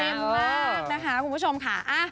มากนะคะคุณผู้ชมค่ะ